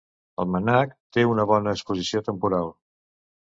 El MNAC té una bona exposició temporal.